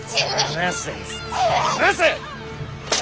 離せ！